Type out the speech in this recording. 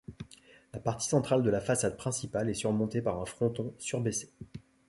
La partie centrale de la façade principale est surmontée par un fronton surbaissé.